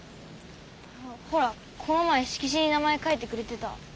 ほらこの前色紙に名前書いてくれてた。